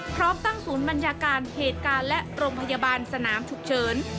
พร้อมตั้งศูนย์บัญชาการเหตุการณ์และโรงพยาบาลสนามฉุกเฉิน